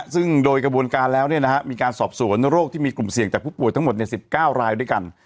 ซึ่งโดยกระบวนการแล้วมีการสอบสวนโรคที่มีกลุ่มเสี่ยงจากผู้ป่วยทั้งหมด๑๙รายด้วยกัน